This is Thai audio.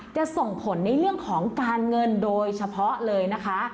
จะส่งผลในเรื่องของการเงินโดยเฉพาะเลยนะคะ